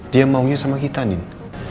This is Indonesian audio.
dia maunya sama kita nih